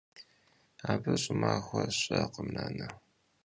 Abı ş'ımaxue şı'ekhe, nane?